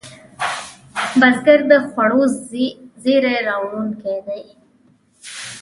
بزګر د خوړو زېری راوړونکی دی